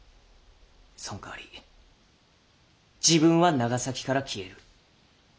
そんかわり自分は長崎から消える。